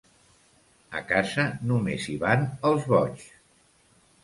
A casa només hi van els boigs.